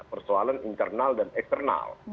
persoalan internal dan eksternal